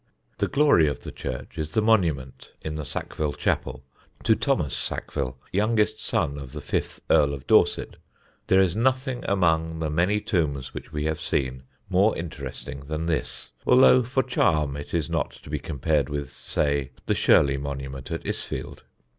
The glory of the church is the monument, in the Sackville Chapel, to Thomas Sackville, youngest son of the fifth Earl of Dorset. There is nothing among the many tombs which we have seen more interesting than this, although for charm it is not to be compared with, say, the Shurley monument at Isfield.